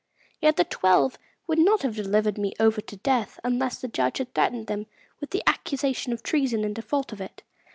Yet the twelve would not have delivered me over to death, unless the judge had threatened them with an accu sation of treason in default of it.